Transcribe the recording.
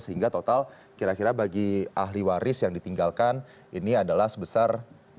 sehingga total kira kira bagi ahli waris yang ditinggalkan ini adalah sebesar